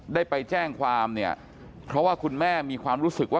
ได้ไปแจ้งความ